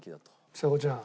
ちさ子ちゃん。